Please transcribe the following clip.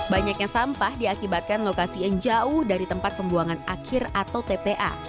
banyaknya sampah diakibatkan lokasi yang jauh dari tempat pembuangan akhir atau tpa